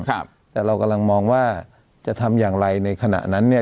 ครับแต่เรากำลังมองว่าจะทำอย่างไรในขณะนั้นเนี่ย